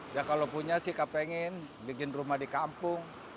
ya kalau punya sih kepengen bikin rumah di kampung